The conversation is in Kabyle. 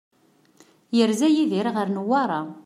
Yerza Yidir ɣer Newwara.